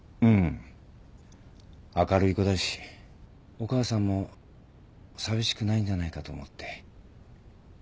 お母さんも寂しくないんじゃないかと思って。